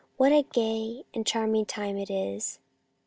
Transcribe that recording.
What a gay and charming time it is